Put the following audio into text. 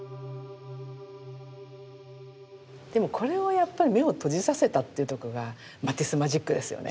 でもこれをやっぱり目を閉じさせたっていうとこがマティスマジックですよね。